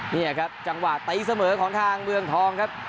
นี่ครับจังหวะตีเสมอของทางเมืองทองครับ